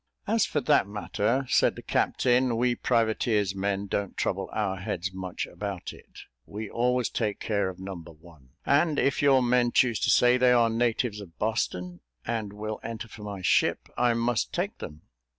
"As for that matter," said the captain, "we privateer's men don't trouble our heads much about it; we always take care of Number One; and if your men choose to say they are natives of Boston, and will enter for my ship, I must take them.